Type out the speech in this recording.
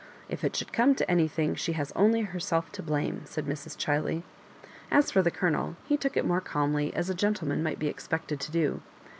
If it should come to anything, she has only herself to blame,^' said Mrs. Chiley. As for the Colonel, he took it more calmly, as a gentleman might be expected to do.